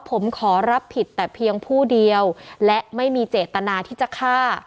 ผมขอรับผิดแต่เพียงผู้เดียวและไม่มีเจตนาที่จะฆ่า